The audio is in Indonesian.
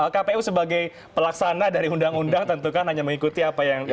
kpu sebagai pelaksana dari undang undang tentu kan hanya mengikuti apa yang